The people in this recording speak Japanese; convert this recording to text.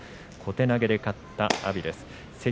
小手投げで勝った阿炎です。